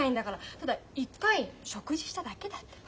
ただ一回食事しただけだってば。